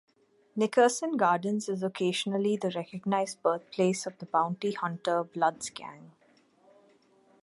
Nickerson Gardens is occasionally the recognized birthplace of the Bounty Hunter Bloods gang.